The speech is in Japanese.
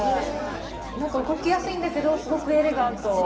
なんか動きやすいんだけどすごくエレガント。